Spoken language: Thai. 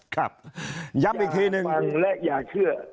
ครับย้ำอีกทีหนึ่งและอย่าเชื่อ